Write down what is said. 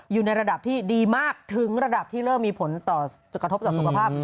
อยู่ในระดับที่ดีมากถึงระดับที่เริ่มมีผลต่อจะกระทบต่อสุขภาพ